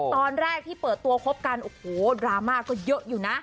ตอนแรกที่เปิดตัวคบกันโอ้โหดราม่าก็เยอะอยู่นะ